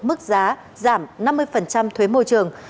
mức giá giảm năm mươi thuế môi trường